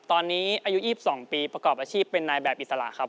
ตอนนี้อายุ๒๒ปีประกอบอาชีพเป็นนายแบบอิสระครับ